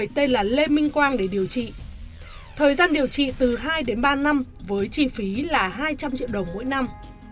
thời gian điều trị từ hai đến ba năm với chi phí là hai trăm linh triệu đồng mỗi năm